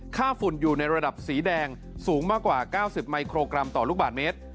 ฝุ่นอยู่ในระดับสีแดงสูงมากกว่า๙๐มิโครกรัมต่อลูกบาทเมตร